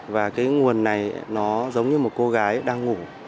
và cái nguồn này nó giống như một cô gái đang ngủ